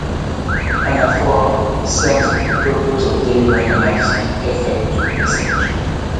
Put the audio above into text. Anaphora serves the purpose of delivering an artistic effect to a passage.